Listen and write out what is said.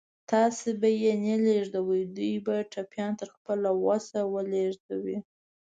تاسې به یې نه لېږدوئ، دوی به ټپيان تر خپل وسه ولېږدوي.